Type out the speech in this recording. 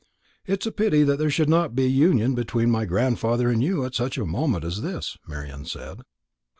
"It is a pity there should not be union between my grandfather and you at such a moment as this," Marian said.